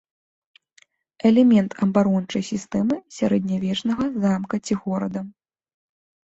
Элемент абарончай сістэмы сярэднявечнага замка ці горада.